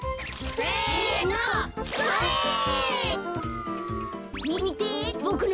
せの！